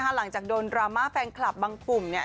หลังจากโดนดราม่าแฟนคลับบางกลุ่มเนี่ย